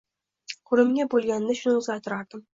Qo‘limda bo‘lganida shuni o‘zgartirardim.